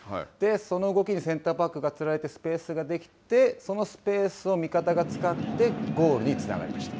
その動きにセンターバックがつられて、スペースができて、そのスペースを味方、使ってゴールにつながりました。